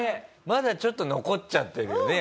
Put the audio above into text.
まだちょっと残っちゃってるよね